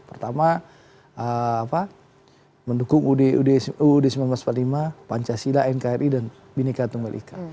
pertama mendukung uud seribu sembilan ratus empat puluh lima pancasila nkri dan bineka tunggal ika